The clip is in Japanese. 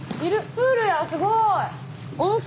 プールやすごい！